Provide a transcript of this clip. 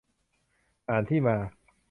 อ่านที่มา